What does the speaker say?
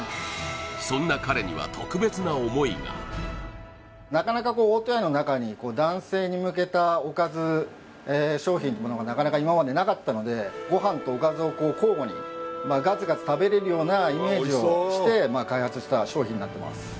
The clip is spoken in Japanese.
そんな彼にはなかなか大戸屋の中に男性に向けたおかず商品ってものがなかなか今までなかったのでガツガツ食べられるようなイメージをして開発した商品になってます